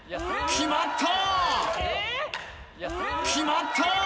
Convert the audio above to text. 決まった！